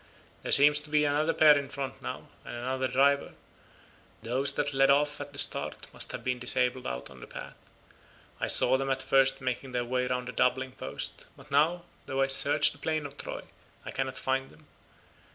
There seems to be another pair in front now, and another driver; those that led off at the start must have been disabled out on the plain. I saw them at first making their way round the doubling post, but now, though I search the plain of Troy, I cannot find them.